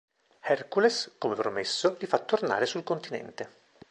Hercules come promesso li fa tornare sul continente.